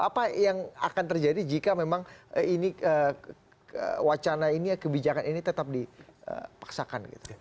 apa yang akan terjadi jika memang ini wacana ini kebijakan ini tetap dipaksakan